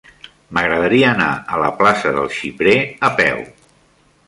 M'agradaria anar a la plaça del Xiprer a peu.